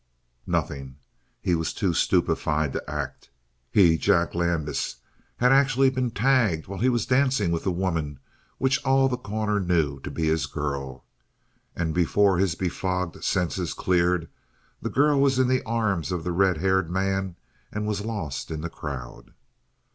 Nothing. He was too stupefied to act. He, Jack Landis, had actually been tagged while he was dancing with the woman which all The Corner knew to be his girl! And before his befogged senses cleared the girl was in the arms of the red haired man and was lost in the crowd.